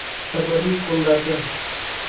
Tabarruk qo’llardan